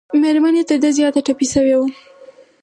مېرمن یې تر ده زیاته ټپي شوې وه.